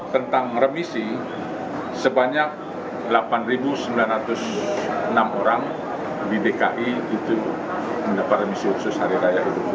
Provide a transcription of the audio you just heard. tentang remisi sebanyak delapan sembilan ratus enam orang di dki itu mendapat remisi khusus hari raya